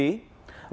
lệnh truy nãn